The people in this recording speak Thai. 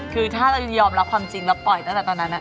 คือถ้าเรายอมรับความจริงแล้วปล่อยตั้งแต่ตอนนั้น